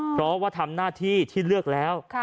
เพราะว่าทำหน้าที่ที่เลือกแล้ว